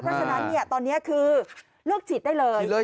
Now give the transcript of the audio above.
เพราะฉะนั้นตอนนี้คือเลือกฉีดได้เลย